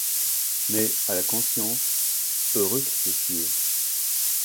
Mais à la conscience heureux qui s’est fié !